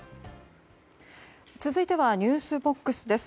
続いてはｎｅｗｓＢＯＸです。